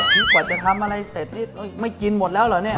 นี่กว่าจะทำอะไรเสร็จนี่ไม่กินหมดแล้วเหรอเนี่ย